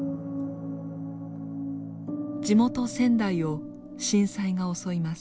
地元仙台を震災が襲います。